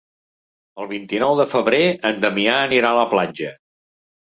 El vint-i-nou de febrer en Damià anirà a la platja.